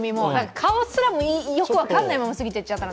顔すらよく分からないまま過ぎていっちゃったので。